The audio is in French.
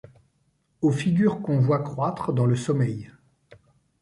Aux figures qu’on voit croître dans le sommeil